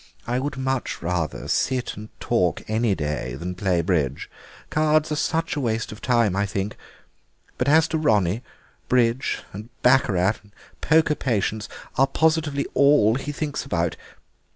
I would much rather sit and talk any day than play bridge; cards are such a waste of time, I think. But as to Ronnie, bridge and baccarat and poker patience are positively all that he thinks about.